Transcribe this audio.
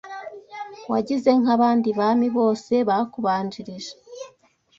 Wagize nk’abandi Bami bose bakubanjirije